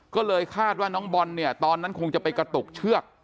ก็เลยคาดว่าน้องบอลเนี่ยตอนนั้นคงจะไปกระตุกเชือก